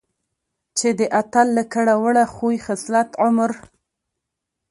چې د اتل له کړه وړه ،خوي خصلت، عمر،